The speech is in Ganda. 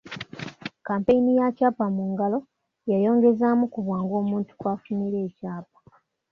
Kkampeyini ya ‘Kyapa mu Ngalo’ yayongezaamu ku bwangu omuntu kw’afunira ekyapa.